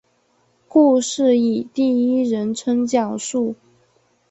故事以第一人称讲述。